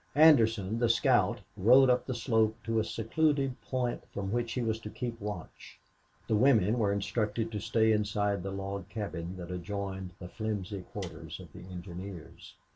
Anderson, the scout, rode up the slope to a secluded point from which he was to keep watch. The women were instructed to stay inside the log cabin that adjoined the flimsy quarters of the engineers.